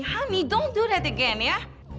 hami jangan lakukan itu lagi ya